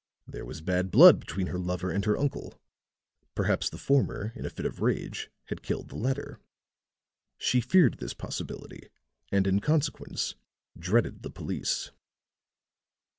There was bad blood between her lover and her uncle; perhaps the former in a fit of rage had killed the latter. She feared this possibility, and in consequence dreaded the police."